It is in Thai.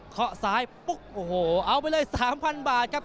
เขาซ้ายปุ๊บโอ้โหเอาไปเลย๓๐๐บาทครับ